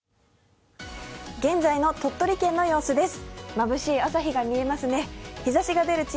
現在の鳥取県の様子です。